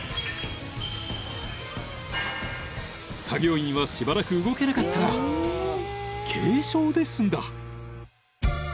［作業員はしばらく動けなかったが軽傷で済んだ］